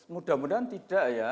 mudah mudahan tidak ya